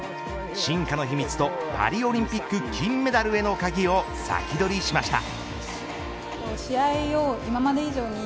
進化の秘密とパリオリンピック金メダルへの鍵をサキドリしました。